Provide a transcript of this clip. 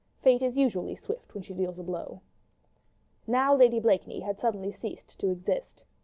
Fate is usually swift when she deals a blow. Now Lady Blakeney had suddenly ceased to exist.